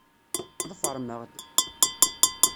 Ḍefṛem-aɣ-d!